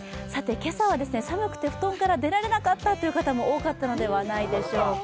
今朝は寒くて布団から出られなかったという方も多いのではないでしょうか。